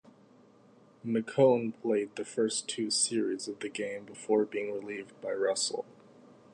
McCown played the first two series of the game before being relieved by Russell.